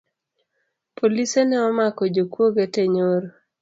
Polise ne omako jokwoge tee nyoro